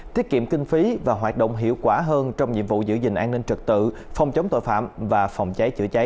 tiết kiệm kinh phí và hoạt động hiệu quả hơn trong nhiệm vụ giữ gìn an ninh trật tự phòng chống tội phạm và phòng cháy chữa cháy